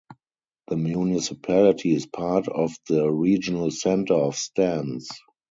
The municipality is part of the regional center of Stans.